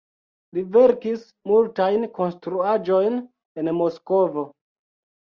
Li verkis multajn konstruaĵojn en Moskvo.